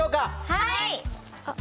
はい。